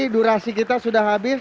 durasi kita sudah habis